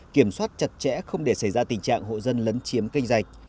kiểm soát chặt chẽ không để xảy ra tình trạng hộ dân lấn chiếm canh rạch